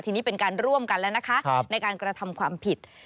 ทีนี้เป็นการร่วมกันแล้วนะคะในการกระทำความผิด